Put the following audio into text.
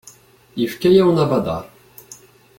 Yefka-yawen abadaṛ.